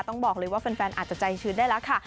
ต้องบอกเลยว่าแฟนอาจจะใจชื้นได้แล้วค่ะ